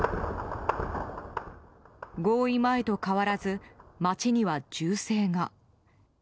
合意前と変わらず街には銃声が。